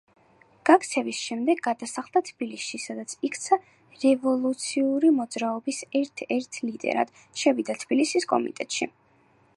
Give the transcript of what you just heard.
გაქცევის შემდეგ გადასახლდა თბილისში, სადაც იქცა რევოლუციური მოძრაობის ერთ-ერთ ლიდერად, შევიდა თბილისის კომიტეტში.